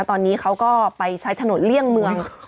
ตอนนี้เขาก็ไปใช้ถนนเลี่ยงเมือง